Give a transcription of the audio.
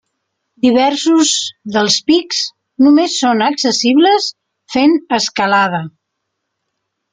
Diversos dels pics només són accessibles fent escalada.